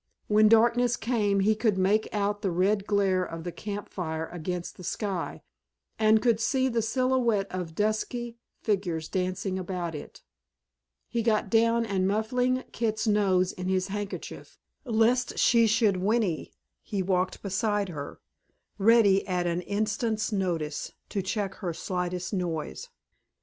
When darkness came he could make out the red glare of the camp fire against the sky, and could see the silhouette of dusky figures dancing about it He got down, and muffling Kit's nose in his handkerchief, lest she should whinny, he walked beside her, ready at an instant's notice to check her slightest noise.